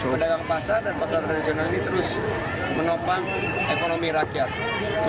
pedagang pasar dan pasar tradisional ini terus menopang ekonomi rakyat